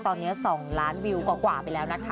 ตอนนี้๒ล้านวิวกว่าไปแล้วนะคะ